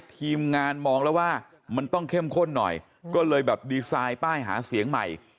ทีมงานมองแล้วว่ามันต้องเข้มข้นหน่อยก็เลยแบบดีไซน์ป้ายหาเสียงใหม่